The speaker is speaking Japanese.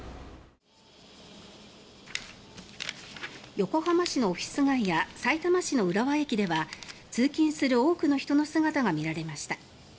横浜市のオフィス街や埼玉県の浦和駅では通勤する多くの人の姿が見られました。